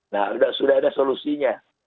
nah sudah ada solusinya